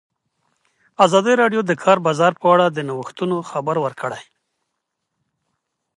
ازادي راډیو د د کار بازار په اړه د نوښتونو خبر ورکړی.